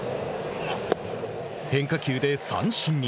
変化球で三振に。